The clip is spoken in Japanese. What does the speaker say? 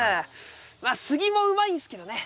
まあスギもうまいんですけどね。